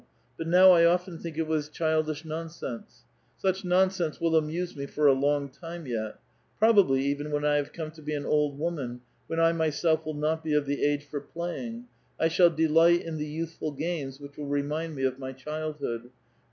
But now I often think it was childish non ?^^^8e; such nonsense will amuse me for a long time yet. *"<^bably even when I have come to be an old woman, when I ^^N^ self will not be of the age for playing, I shall delight in the ^^^Vithful games which will remind me of my childhood; for